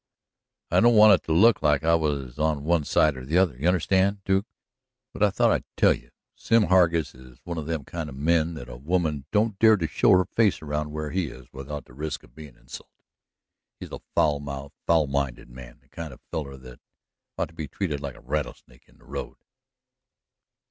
"I don't want it to look like I was on one side or the other, you understand, Duke; but I thought I'd tell you. Sim Hargus is one of them kind of men that a woman don't dare to show her face around where he is without the risk of bein' insulted. He's a foul mouthed, foul minded man, the kind of a feller that ought to be treated like a rattlesnake in the road."